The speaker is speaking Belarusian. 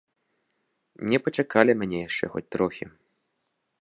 Не пачакалі мяне яшчэ хоць трохі.